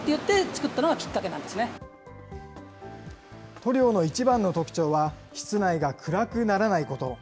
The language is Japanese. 塗料の一番の特長は、室内が暗くならないこと。